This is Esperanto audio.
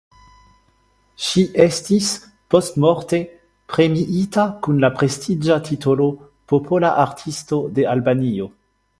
Ŝi estis postmorte premiita kun la prestiĝa titolo Popola Artisto de Albanio.